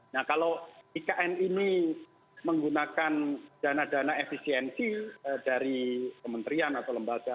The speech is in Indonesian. nah kalau ikn ini menggunakan dana dana efisiensi dari kementerian atau lembaga